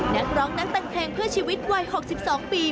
นักร้องนักแต่งเพลงเพื่อชีวิตวัย๖๒ปี